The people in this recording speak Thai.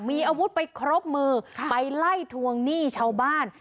มีอาวุธไปครบมือไปไล่ทวงหนี้ชาวบ้าน